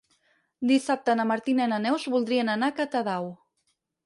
Dissabte na Martina i na Neus voldrien anar a Catadau.